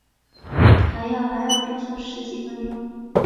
还要还要追加十几分钟